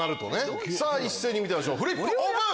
一斉に見てみましょうフリップオープン！